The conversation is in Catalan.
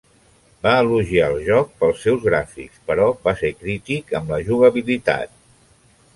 Va elogiar el joc pels seus gràfics, però va ser crític amb la jugabilitat.